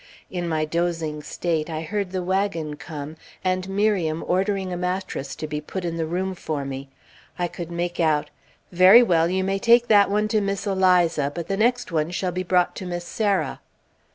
In my dozing state, I heard the wagon come, and Miriam ordering a mattress to be put in the room for me. I could make out, "Very well! you may take that one to Miss Eliza, but the next one shall be brought to Miss Sarah!"